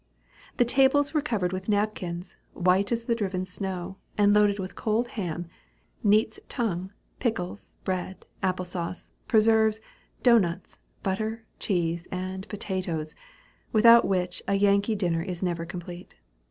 The tables were covered with napkins, white as the driven snow, and loaded with cold ham, neat's tongue, pickles, bread, apple sauce, preserves, dough nuts, butter, cheese, and potatoes without which a Yankee dinner is never complete.